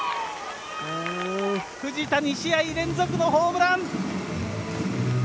藤田、２試合連続のホームラン！